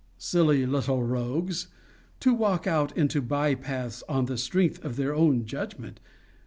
Silly little rogues! to walk out into bye paths on the strength of their own judgment!